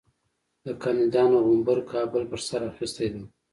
د کاندیدانو غومبر کابل پر سر اخیستی دی.